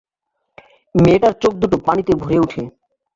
মেয়েটার চোখ দুটো পানিতে ভরে উঠে।